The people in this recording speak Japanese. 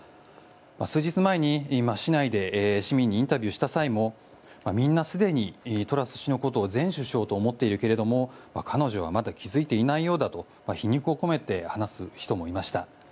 数日前に市内で市民にインタビューした際もみんな、すでにトラス氏のことを前首相と思っているけれど彼女はまだ気付いていないようだと皮肉を込めて話す人もいました。